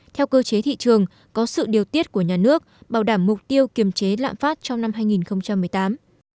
theo cơ chế thị trường có sự điều tiết của nhà nước bảo đảm mục tiêu kiềm chế lạm phát trong năm hai nghìn một mươi tám